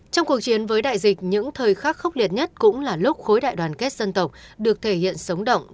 trong cuộc chiến với đại dịch những thời khắc khốc liệt nhất cũng là lúc khối đại đoàn kết dân tộc được thể hiện sống động